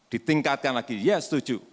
ditingkatkan lagi ya setuju